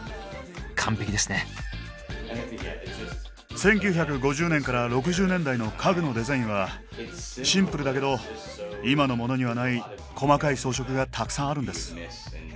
１９５０年から６０年代の家具のデザインはシンプルだけど今のモノにはない細かい装飾がたくさんあるんです。